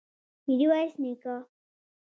ميرويس نيکه!